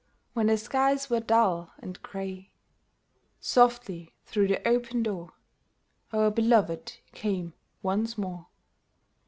When the skies were dull and gray, Softly through the open door Our beloved came once more.